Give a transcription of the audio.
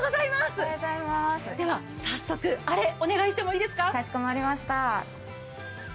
では早速、あれ、お願いしてもいいですか。